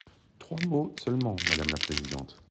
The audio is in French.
Trois mots seulement, madame la présidente.